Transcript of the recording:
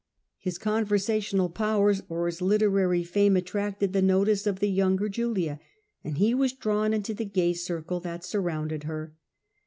His con versational powers or his literary fame attracted the notice of the younger Julia, and he was drawn into the gay circle that surrounded her.